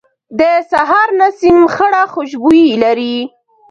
د سهار نسیم خړه خوشبويي لري